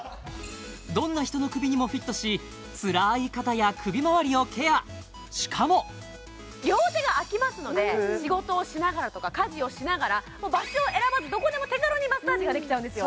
どんな人の首にもフィットししかも両手が空きますので仕事をしながらとか家事をしながら場所を選ばずどこでも手軽にマッサージができちゃうんですよ